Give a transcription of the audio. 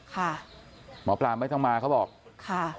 หมอปลาไม่ต้องมาเขาบอกค่ะ